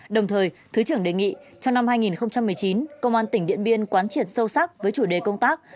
đồng thời thứ trưởng đề nghị trong năm hai nghìn một mươi chín công an tỉnh điện biên quán triệt sâu sắc với chủ đề công tác